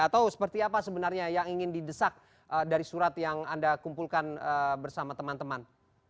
atau seperti apa sebenarnya yang ingin didesak dari surat yang anda kumpulkan bersama teman teman